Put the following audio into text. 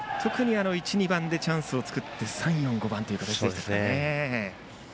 １、２番でチャンスを作って３、４、５番という形でしたね。